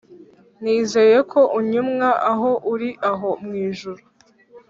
nizeye ko, unyumwa aho uri aho mwijuru